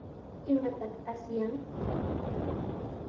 ¿Imataq asyan?